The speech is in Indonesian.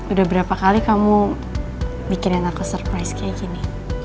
udah berapa kali kamu mikirin aku surprise kayak gini